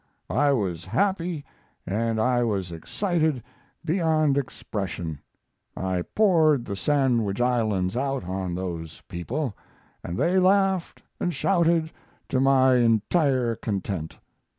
"I was happy and I was excited beyond expression. I poured the Sandwich Islands out on those people, and they laughed and shouted to my entire content.